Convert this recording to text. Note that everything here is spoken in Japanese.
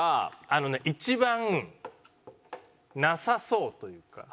あのね一番なさそうというか。